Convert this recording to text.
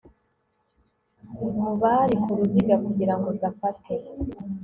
mu bari ku ruziga kugira ngo agafate